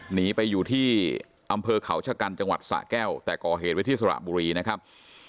หนีไปอยู่ที่อำเภอเขาชะกันจังหวัดสะแก้วแต่ก่อเหตุไว้ที่สระบุรีนะครับ